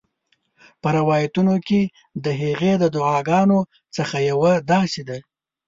په روایتونو کې د هغې د دعاګانو څخه یوه داسي ده: